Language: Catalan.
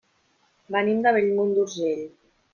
Venim de Bellmunt d'Urgell.